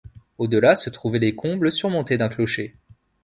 Au-delà se trouvaient les combles surmontés d'un clocher.